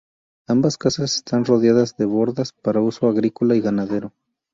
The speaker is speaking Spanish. Ambas casas están rodeadas de bordas para uso agrícola y ganadero.